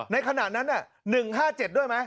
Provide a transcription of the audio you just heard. ในขณะนั้น๑๕๗ด้วยไหม